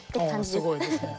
すごいですね。